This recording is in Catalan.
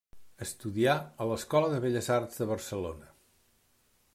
Estudià a l'Escola de Belles Arts de Barcelona.